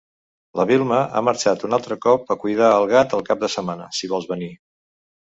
La Wilma ha marxat un altre cop a cuidar el gat el cap de setmana, si vols venir.